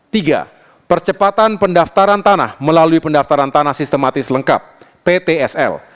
tiga percepatan pendaftaran tanah melalui pendaftaran tanah sistematis lengkap ptsl